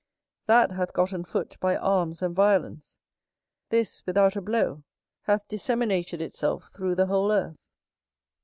That hath gotten foot by arms and violence: this, without a blow, hath disseminated itself through the whole earth.